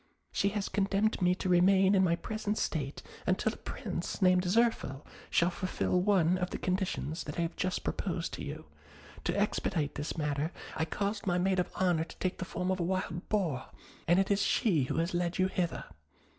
She has condemned me to remain in my present state until a Prince named Zirphil shall fulfil one of the conditions that I have just proposed to you; to expedite this matter, I caused my maid of honour to take the form of a wild boar, and it is she who has led you hither.